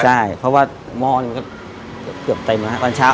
ใช่เพราะว่าหม้อนี้ก็เกือบเต็มแล้วฮะก่อนเช้า